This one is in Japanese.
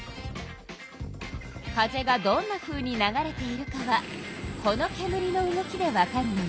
風がどんなふうに流れているかはこのけむりの動きでわかるのよ。